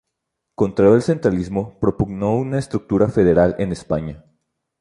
Contrario al centralismo, propugnó una estructura federal en España.